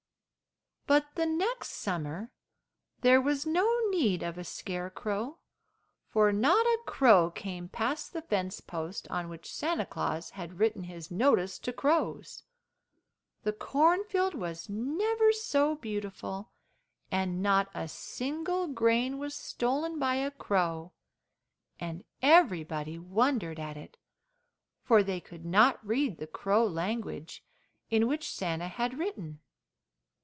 But the next summer there was no need of a scarecrow, for not a crow came past the fence post on which Santa Claus had written his notice to crows. The cornfield was never so beautiful, and not a single grain was stolen by a crow, and everybody wondered at it, for they could not read the crow language in which Santa had written.